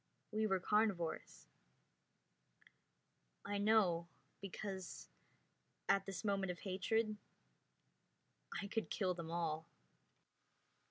We were carnivores. I know, because, at this moment of hatred, I could kill them all.